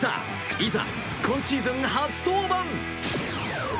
いざ、今シーズン初登板！